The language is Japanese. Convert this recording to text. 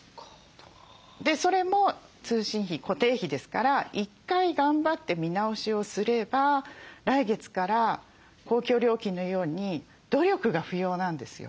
それも通信費固定費ですから１回頑張って見直しをすれば来月から公共料金のように努力が不要なんですよ。